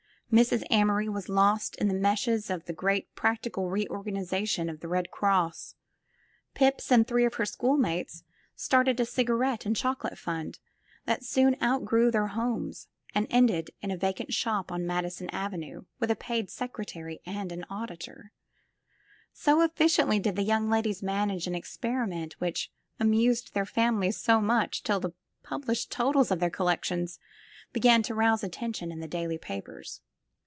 Mrs. Amory was lost in the meshes of the great practical reorganization of the Eed Cross. Pips and three of her schoolmates started a cigarette and chocolate fund that soon out grew their homes and ended in a vacant shop on Madison Avenue with a paid secretary and an auditor; so eflB ciently did the young ladies manage an experiment which amused their families very much till the published totals of their collections began to rouse attention in the daily papers.